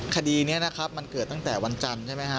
คดีนี้นะครับมันเกิดตั้งแต่วันจันทร์ใช่ไหมฮะ